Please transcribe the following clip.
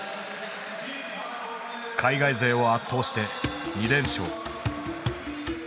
海外勢を圧倒して２連勝。